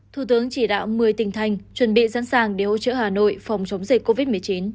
thủ tướng chỉ đạo một mươi tỉnh thành chuẩn bị sẵn sàng để hỗ trợ hà nội phòng chống dịch covid một mươi chín